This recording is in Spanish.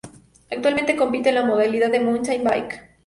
Actualmente compite en la modalidad de mountain bike.